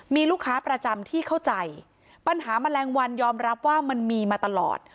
มีลูกค้าประจำที่เข้าใจปัญหาแมลงวันยอมรับว่ามันมีมาตลอด